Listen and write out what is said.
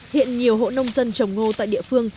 hiện nhiều hộ nông dân trồng ngô tại địa phương